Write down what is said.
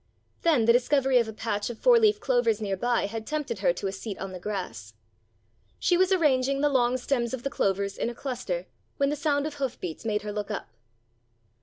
Then the discovery of a patch of four leaf clovers near by had tempted her to a seat on the grass. She was arranging the long stems of the clovers in a cluster when the sound of hoof beats made her look up.